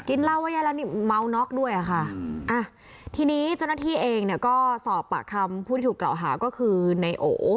เล่าว่ายายแล้วนี่เมาน็อกด้วยอ่ะค่ะอ่ะทีนี้เจ้าหน้าที่เองเนี่ยก็สอบปากคำผู้ที่ถูกกล่าวหาก็คือในโอ